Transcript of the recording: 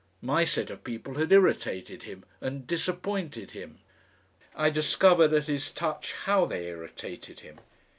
My set of people had irritated him and disappointed him. I discovered at his touch how they irritated him.